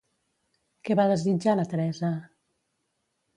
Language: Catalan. Què va desitjar la Teresa?